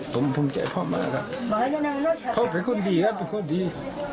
ผมภูมิใจพ่อหมาครับเขาเป็นคนดีครับเป็นคนดี